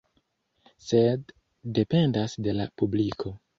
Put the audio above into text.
Sed dependas de la publiko.